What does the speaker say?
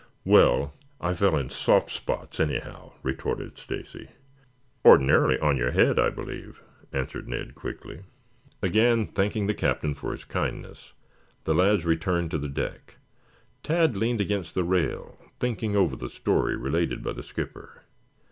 "Well, I fell in soft spots anyhow," retorted Stacy. "Ordinarily on your head, I believe," answered Ned quickly. Again thanking the Captain for his kindness, the lads returned to the deck. Tad leaned against the rail thinking over the story related by the skipper.